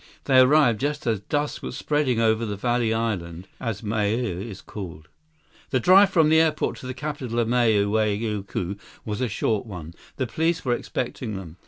They arrived just as dusk was spreading over the Valley Island, as Maui is called. The drive from the airport to the capital of Maui, Wailuku, was a short one. The police were expecting them.